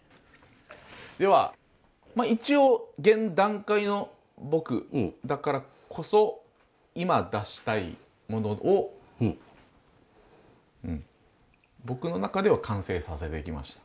ではまあ一応現段階の僕だからこそ今出したいものをうん僕の中では完成させてきました。